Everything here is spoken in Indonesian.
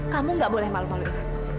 kamu gak boleh malu maluin aku